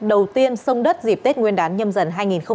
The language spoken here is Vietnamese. đầu tiên sông đất dịp tết nguyên đán nhâm dần hai nghìn hai mươi bốn